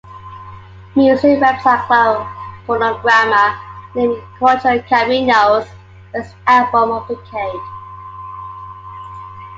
Music website Club Fonograma named Cuatro Caminos best album of the decade.